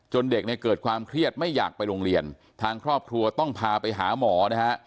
เด็กเนี่ยเกิดความเครียดไม่อยากไปโรงเรียนทางครอบครัวต้องพาไปหาหมอนะฮะ